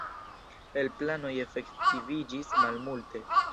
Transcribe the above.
El planoj efektiviĝis malmulte.